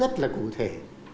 rất là cụ thể